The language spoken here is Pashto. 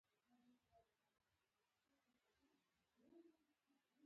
خلک د خپل بالقوه قدرت په اړه پوره ډاډمن کیږي.